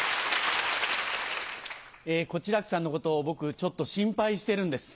小痴楽さんのことを僕ちょっと心配してるんです。